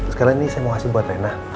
sekarang ini saya mau kasih buat rena